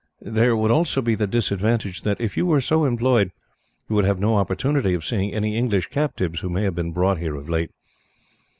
There would also be the disadvantage that, if you were so employed, you would have no opportunity of seeing any English captives who may have been brought here of late.